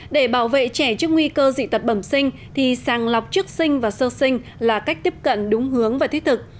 để bảo vệ trẻ trước nguy cơ dị tật bẩm sinh thì sàng lọc trước sinh và sơ sinh là cách tiếp cận đúng hướng và thiết thực